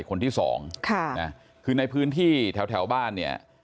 คนที่๒คือในพื้นที่แถวบ้านเนี่ย